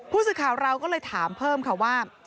ผู้สื่อข่าวเราก็เลยถามเพิ่มค่ะว่า